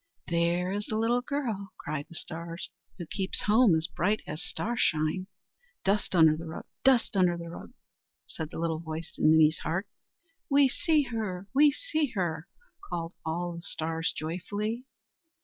"There is the little girl," cried the stars, "who keeps home as bright as star shine." "Dust under the rug! dust under the rug!" said the little voice in Minnie's heart. "We see her! we see her!" called all the stars joyfully.